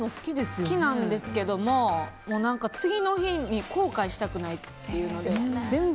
好きなんですけれども次の日に後悔したくないので。